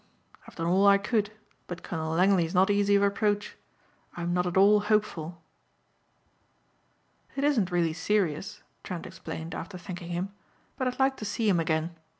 I've done all I could but Colonel Langley is not easy of approach. I'm not at all hopeful." "It isn't really serious," Trent explained after thanking him, "but I'd like to see him again.